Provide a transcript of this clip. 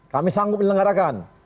kami sanggup dilenggarakan